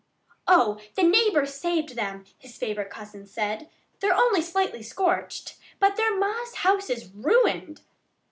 "Oh! The neighbors saved them," his favorite cousin said. "They're only slightly scorched. But their ma's house is ruined."